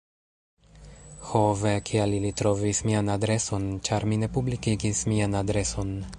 Ho ve, kial ili trovis mian adreson? ĉar mi ne publikigis mian adreson.